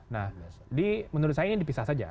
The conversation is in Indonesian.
nah jadi menurut saya ini dipisah saja